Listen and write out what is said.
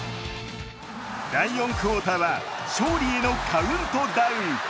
第４クオーターは勝利へのカウントダウン。